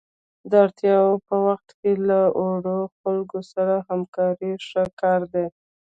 د اړتیا په وخت کې له اړو خلکو سره همکاري ښه کار دی.